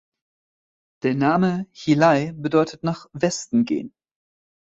Der Name „Hsi Lai“ bedeutet „Nach Westen gehen“.